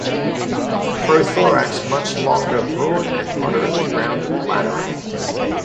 Prothorax much longer broad and moderately rounded laterally.